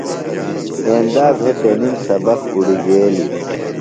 ایندا بھےۡ تنِم سبق اُڑیۡ گیلیۡ۔